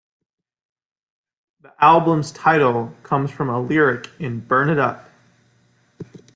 The album's title comes from a lyric in "Burn It Up".